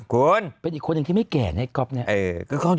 คุณเป็นอีกคนหนึ่งที่ไม่แก่นะก๊อฟเนี่ย